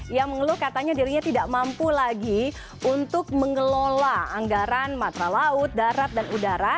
ia mengeluh katanya dirinya tidak mampu lagi untuk mengelola anggaran matra laut darat dan udara